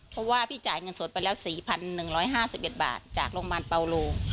เพราะว่าพี่จ่ายเงินสดไปแล้ว๔๑๕๑บาทจากโรงพยาบาลเปาโล